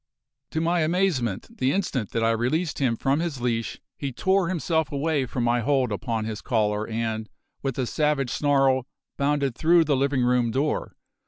To my amazement, the instant that I released him from his leash, he tore himself away from my hold upon his collar and, with a savage snarl, bounded through the living room door.